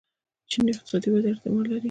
چین اقتصادي وده ادامه لري.